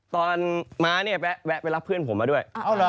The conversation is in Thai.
ม้าเนี่ยแวะไปรับเพื่อนผมมาด้วย